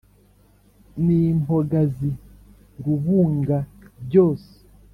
Ni impogazi rubunga byose